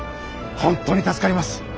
本当に助かります。